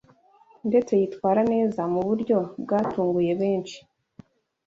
ndetse yitwara neza mu buryo bwatunguye benshi